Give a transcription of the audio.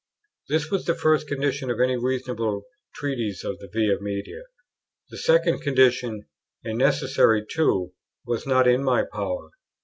This was the first condition of any reasonable treatise on the Via Media. The second condition, and necessary too, was not in my power.